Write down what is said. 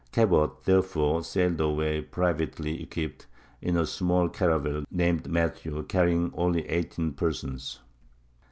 Cabot, therefore, sailed away, privately equipped, in a small caravel named Matthew, carrying only eighteen persons.